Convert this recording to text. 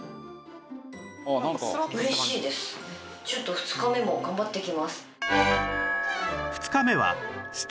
ちょっと２日目も頑張ってきます。